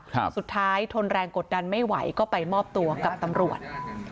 สุดท้ายทนแรงกดดันไม่ไหวก็ไปมอบตัวกับตำรวจ